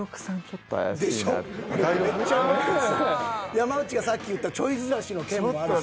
山内がさっき言ったちょいずらしの件もあるし。